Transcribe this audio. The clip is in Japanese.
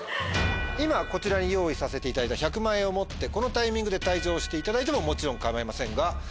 今こちらに用意させていただいた１００万円を持ってこのタイミングで退場していただいてももちろん構いませんが。